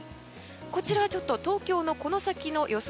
こちらは東京のこの先の予想